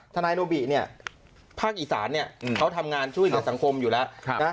ทนายโนบิเนี่ยภาคอีสานเนี่ยเขาทำงานช่วยเหลือสังคมอยู่แล้วนะ